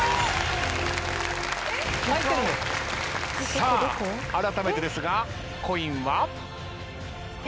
さああらためてですがコインは？